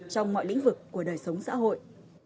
trong mọi lĩnh vực của đời sống xã hội